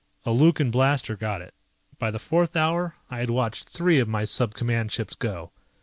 A Lukan blaster got it. By the fourth hour I had watched three of my sub command ships go.